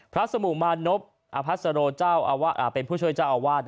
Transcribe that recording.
พระสมุมานพพระสโรเจ้าอาวาสเป็นผู้ช่วยเจ้าอาวาส